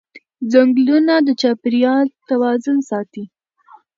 ځنګلونه د چاپېریال توازن ساتي